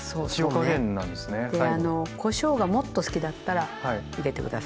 こしょうがもっと好きだったら入れて下さいここで。